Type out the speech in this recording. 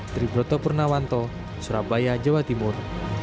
dari broto purnawanto surabaya jawa timur